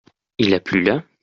Il a plu là ?